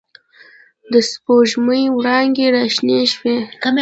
د سپوږ مۍ وړانګې را شنې شوې